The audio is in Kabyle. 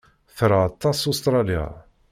Tra aṭas Ustṛalya.